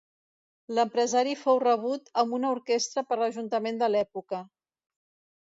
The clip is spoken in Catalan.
L’empresari fou rebut amb una orquestra per l’ajuntament de l’època.